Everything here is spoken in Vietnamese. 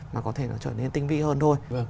mà có thể nó trở nên tinh vi hơn thôi